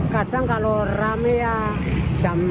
kadang kalau rame ya jam lima